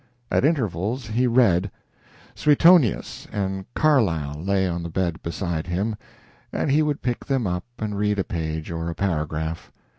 At intervals he read. "Suetonius" and "Carlyle" lay on the bed beside him, and he would pick them up and read a page or a paragraph.